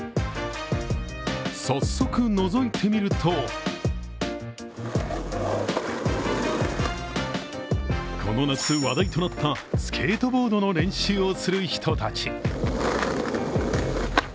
早速、のぞいてみるとこの夏、話題となったスケートボードの練習をする人たち。